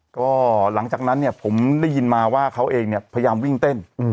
ก็หลังจากนั้นเนี่ยผมได้ยินมาว่าเขาเองเนี่ยพยายามวิ่งเต้น